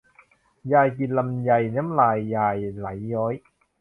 ยายกินลำไยน้ำลายยายไหลย้อย